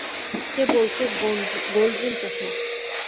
সে বলছে gold rim চশমা।